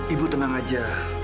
ibu tenang aja